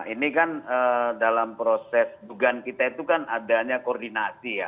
ini kan dalam proses dugaan kita itu kan adanya koordinasi ya